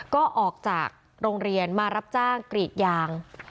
ก็ออกจากโรงเรียนมารับจ้างกรีดยาง